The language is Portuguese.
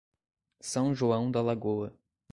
São João da Lagoa